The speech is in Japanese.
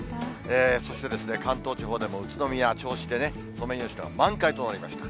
そして関東地方でも宇都宮、銚子でね、ソメイヨシノが満開となりました。